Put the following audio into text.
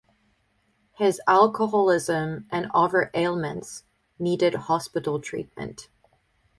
His alcoholism and other ailments needed hospital treatment.